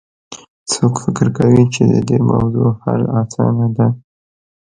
څوک فکر کوي چې د دې موضوع حل اسانه ده